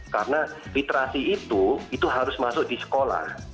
karena literasi itu itu harus masuk di sekolah